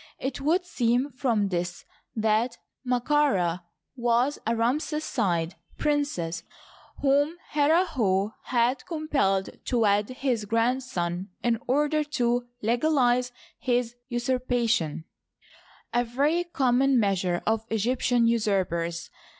It would seem from this that Ma ka Ra was a Ramesside princess whom Herihor had compelled to wed his grand son in order to legalize his usurpation — a very common measure of Egyptiart usurpers.